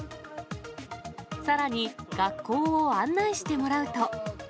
さらに学校を案内してもらうと。